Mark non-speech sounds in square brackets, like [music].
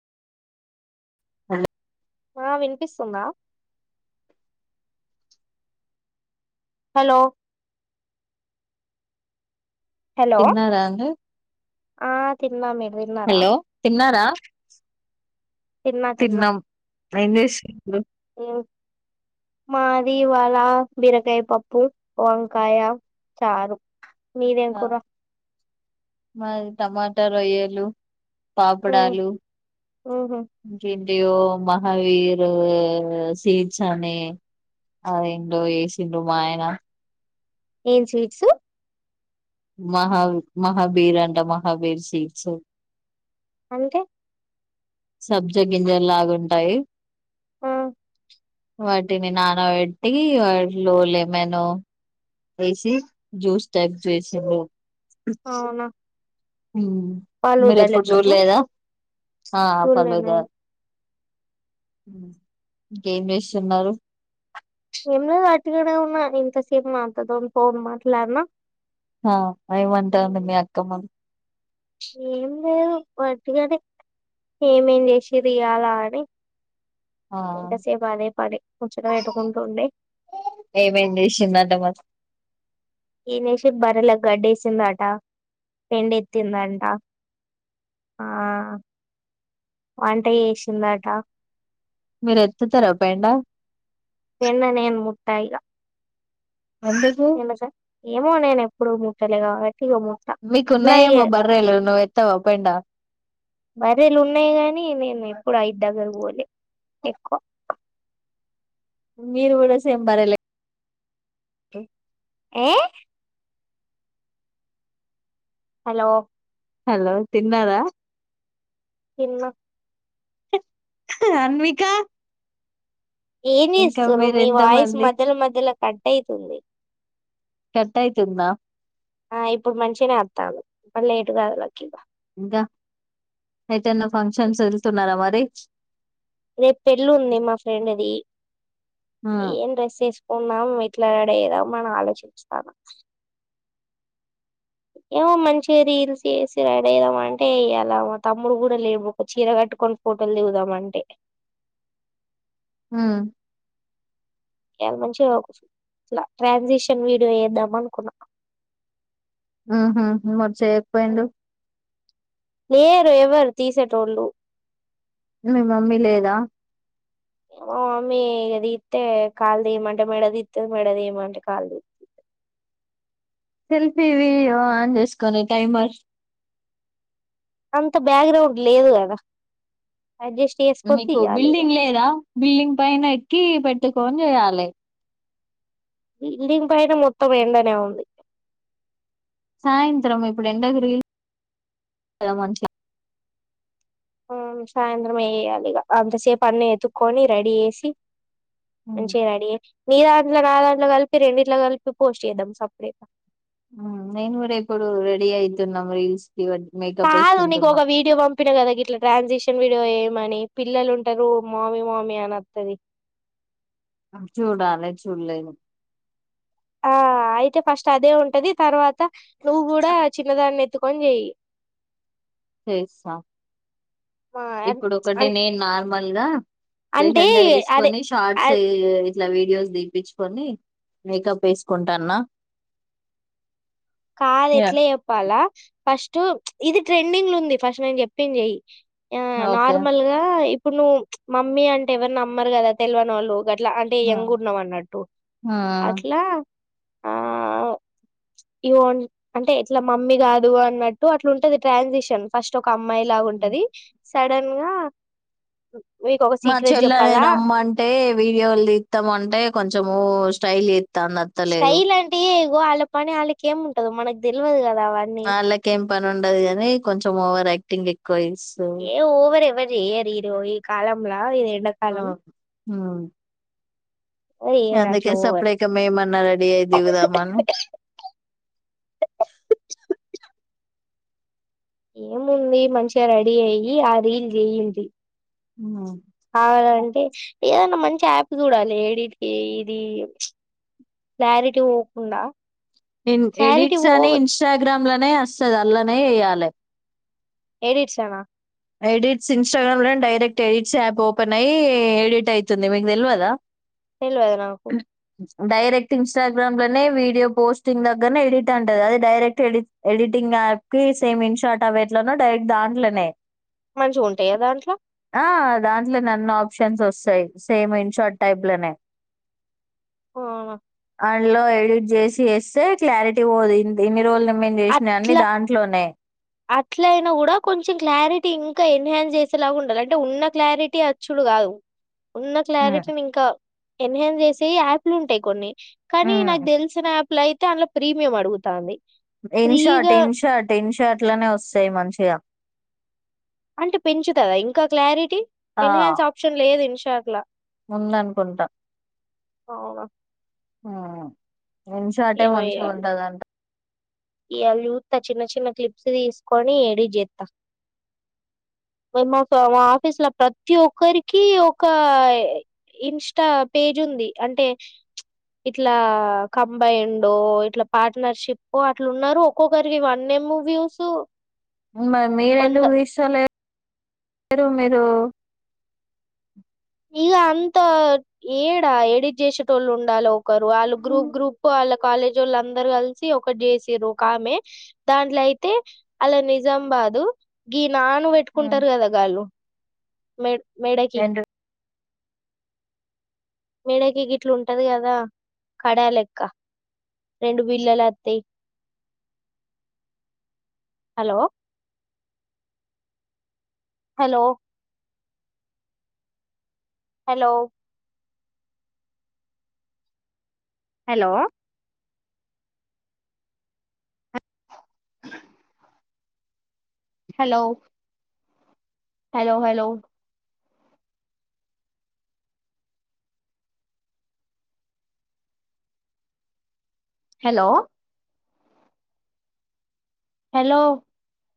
అ ఆ వినిపిస్తుందా hello hello తిన్నారా అండి ఆ తిన్నామే హలో తిన్నారా తిన్నా తిన్నా తిన్నాం ఏం చెస్స్తున్నారు ది ఇవాల బీరకాయ పప్పు వంకాయ చారు మీదేం ఆ కూర మది టమాట రోయ్యలు పాపడాాలు ఉహు ఇంకేం యో మహావీర్ సీసనే ఆవి ఏంటిఓ వేసిండు మాయన ఏం స్వీట్సు మహా మహాబీర్ అంట మహాబీర్ సీడ్స్ అంటే సబ్జా గింజలు లాగాంటాయి ఆ వాటిని నానబెట్టి వాటిలో లెమన్ వేసి జ్యూస్ టైప్ చేసిారు అ [unintelligible] అవునా వాళ్ళు మీరు ఎప్పుడు వదలెక్కనా చూడలేదా ఆ చూడలే నేను ఫలుదా ఇంకేం చేస్తున్నారు ఏం లేదు అటుగానే ఉన్నా ఇంతసేపు మా అక్క తోని ఫోన్ మాట్లాడినా ఆ ఏం మంటాంది ఉమ్, మీ అక్క మ వాటిగానే ఏమేం చేసిరు ఇయాలా అని ఆ ఎంతసేపు అదే పడి ముచ్చట పెట్టుకుంటుండే ఏమేం చేసిందంట మరి ఈనేసి బర్రెలా గడ్డేసిందట పెండ ఎత్తిందంట ఆ వంట చేేసిందట మీరు ఎత్తుతార పెండ వెన్న నేను ముట్టఇగ ఎందుకు ఏమో నేను ఎప్పుడు ముట్టలే కావట్ మీకున్నాయేమో బర్రెలు నువ్వుత్తావా పెండ బర్రె లు ఉన్నాయి గానీ నేను ఎప్పుడు అయిదు దగ్గర పోలే ఎక్కువ మీరు కూడా సేమ్ బర్రె లే ఆ హలో హలో తిన్నారా తిన్న అన్వికా ఏం చేస్తురు మీ ఎంత వయిస్ మంది మధ్య ల మధ్య ల కట్ అయితుంది కట్టయితుందా ఆ ఇప్పుడు మంచినే అత్తంది మల్లెటూ కదులాకు ఇగ దా అ ఏదన ఫంక్షన్స్ వెళ్తున్నార మరి అద [unintelligible] రేపు పెళ్ళి ఉంది మా ఫ్రెండ్ది ఉమ్ ఏం డ్రెస్ వేస్ కుందాం ఎట్ల రడైదాం అని ఆలోచించుతన ఏమో మంచిగా రీల్స్ చేసి రెడీ ఆవుదాం అంటే ఇలా తమ్ముడు కూడా లేడు ఒక చీర కట్టుకొని ఫోటోలు దిగుదాం అంటే ఉ చాల మంచిగా ఇఇట్ల ట్రాన్సిషన్ వీడియో చేద్దాం అనుకున్నా ఆ హ చేయకపోయిండు లేరు ఎవరు తీసేటోళ్ళు మీ మమ్మీ లేదా మా మమ్మీ ఇగ దిత్తే కాల్ దీయమంటే మెడ దిత్తది మెడదియమంటే కాల్ దీత్తది సెల్ఫీది ఆన్ చేసుకుని టైమర్ అంత బ్యాక్గ్రౌండ్ లేదు కదా అడ్జస్ట్ చేసుకొని మీకు తీయాలి ఇగ బిల్డింగ్ లేదా బిల్డింగ్ పైన ఎక్కి పె ట్టు కోన్ చేయాలి బిల్డింగ్ పైన మొత్తం ఎండనే ఉంది సాయంత్రం ఇప్పుడు ఎండ దిరిగింది గద మంచిగ ఆ సాయంత్రం చేయాలిగ అంతసేపు అన్ని ఎతుక్కకొని రెడీ చేసి ఉమ్, మంచిగరెడీ అయి నీ దాంట్లో న దాంట్లో కలిపి రెండిట్లో కలిపి పోస్ట్ చేద్దాం సప్పుడుజెక నేను కూడా ఇప్పుడు రెడీ అయితున్నామ్ రీల్స్ కి మేకప్ కాదు నీకు ఒక వేసుకుంటున్నాం వీడియో పంపిన కదాగిట్ ట్ల ట్రాన్సిక్షన్ వీడియో చేయమని పిల్లలు ఉంటారు మామి మామి అని అత్తది చూడలే చూడలేను ఆ అయితే ఫస్ట్ అదే ఉంటది తర్వాత నువ్వు కూడా చిన్నదాన్ని కొంజెయ్ చేస్తా మా ఇప్పుడు ఒకటి నేన్ నా మల్ గా అంటే లహంగా అదే వేసుకొని షార్ట్స్ ఇట్లా వీడియోస్ దిపిచుకొని మేకప్ వేసుకుంటాన్న కాదు ఎట్ల చెప్పాలా ఫస్ట్ టు ఇది ట్రెండింగ్లుంది ఫస్ట్ నేను చెప్పింది చెయి ఆ ఓకే నార్మల్ గా ఇప్పుడు నువ్వు మమ్మీ అంటే ఎవరిని నమ్మరు కదా తెలివని వాళ్ళు అట్లా అంటే ఎయంగ్ ఉన్నాం అన్నట్టు అట్లా ఇన్ అంటే ఇట్లా మమ్మీ కాదు అన్నట్టు అట్లా ఉంటది ట్రాన్సిషన్ ఫస్ట్ ఒక అమ్మాయి లాగుంటది సడన్ గా మీకు ఒక మా సీక్రెట్ చెల్లని చెప్పాలా రమ్మంటే వీడియోలు తీస్తామ అంటే కొంచం మో స్టాయిల్ ఎ స్టైల్ అంటే వాళ్ళ పని వాళ్ళకి ఏం ఉంటదు మనకు తెలియదు కదా అవన్నీ ఆ అలాకెం పని ఉండది కాని కొంచెం ఓవర్ యాక్టింగ్ ఎక్కువ చేస్తూ ఏ ఓవర ఎవరి ఏరిరు ఈ కాలంలా ఇది ఎంతకాలం హ చెయ్యరు అట్లా అందుకేస ఓవర్ అప్పుడక మ ఏమన్నా రెడీ అయిదిగుదామాని ఏముంది మంచిగా రెడీ అయ్యి ఆ రీల్ చేయింది హ్మ్ అవునండి ఏదన్నా మంచి యాప్ చూడాలి ఏడిది ఇది క్లారిటీ పోకుండా క్లారిటీ ఎడిట్స్ పో అని ఇన్స్టాగ్రామ్ లనే వస్తుది అల్లనే వేయ్యాలి ఏడిరుచానా ఎడిట్స్ ఇన్స్టాగ్రామ్ లోనే డైరెక్ట్ ఎడిట్స్ యాప్ ఓపెన్ అయ్యి ఎడిట్ అవుతుంది మీకు తెలియదా తెల్వద నాకు డైరెక్ట్ ఇన్స్టాగ్రామ్ లోనే వీడియో పోస్టింగ్ దగ్గరనే ఎడిట్ అంటది అది డైరెక్ట్ ఎడిటింగ్ యాప్ కి సేమ్ ఇన్షాట్ అ ఎట్ల డైరెక్ట్ దాంట్లోనే మంచిగా ఉంటాయ దాంట్లో దాంట్లో నన్న ఆప్షన్స్ వస్తాయి సేమ్ ఇన్ షార్ట్ టైప్ లోనే ఓ దాంలో ఎడిట్ చేసి వేస్తే క్లారిటీ పోదింది ఇన్ని రోజులు మేము చేసినయి అన్ని అట్లా దాంట్లోనే అట్ల అయినా కూడా కొంచెం క్లారిటీ ఇంకా ఎన్హాన్స్ చేసేలాగా ఉండాల అంటే ఉన్న క్లారిటీ అచ్చుడు కాదు ఉన్న హ్మ్ క్లారిటీని ఇంకా ఎన్హాన్స్ చేసి స యాప్లు ఉంటాయి కొన్ని కానీ హ్మ్ నాకు తెలిసిన లైతే అందులో ప్రీమియం అడుగుతంది InShot InShot InShot ట్లానే వస్తాయి మంచిగా అంటే పెంచుతదా ఇంకా క్లారిట్ టి ఇంహన్స్ ఆప్షన్ లేదు ఇంష్ ఎట్లా ఉందన్ కుంట అవునా ఆ మూషాటే మంచ్ గుంటదంట ఇయల్ చూత చిన్న చిన్న క్లిప్స్ తీసుకొని ఎడిట్ చేస్తా మార్ మా ఆఫీస్ లో ప్రతి ఒక్కరికి ఒక ఇన్ స్ట పేజ్ ఉంది అంటే ఇట్లా కంబైండ్ ఇట్లా పార్ట్నర్షిపు అట్లునారు ఒక్కొక్కరికి వన్ యమ్ ము వ్యూస్ మరి మీర్ కొంత ఎందుక్ తీస్తలేరు మీరు మీర్ [inaudible] ఇక అంత ఏడా ఎడిట్ చేసేటోళ్ళు ఉండాలే ఓక్ కరు గ్రూప్ గ్రూప్ వాళ్ళక్ కాలేజోళ్ళు అందరు కలిసి ఒకట్ జీషీరు ఒక ఆమె దాంట్లాయితే అలద్ నిజంబాదు గీ నాను హ్మ్ బెట్టుకుంటారు కదా గాళ్ళు మేట్ మేడకి ఏంటి మెడకి గిట్ల ఉంటది కదా కడాలెక్క రెండు బిల్లలు అతయి hello hello hello hello hello hello hello hello hello